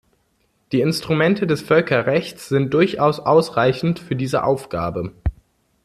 Die Instrumente des Völkerrechts sind durchaus ausreichend für diese Aufgabe.